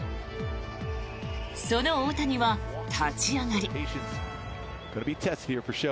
その大谷は立ち上がり。